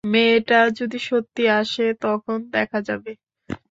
মেয়েটা যদি সত্যি আসে তখন দেখা যাবে।